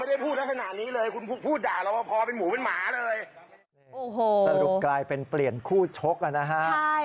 ด้วยความเคารพนะคุณผู้ชมในโลกโซเชียล